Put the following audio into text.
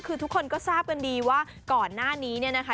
คือทุกคนก็ทราบกันดีว่าก่อนหน้านี้เนี่ยนะคะ